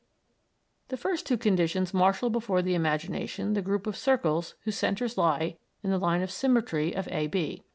The first two conditions marshal before the imagination the group of circles whose centres lie in the line of symmetry of A, B.